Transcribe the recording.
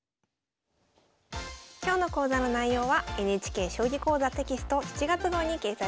今日の講座の内容はＮＨＫ「将棋講座」テキスト７月号に掲載しています。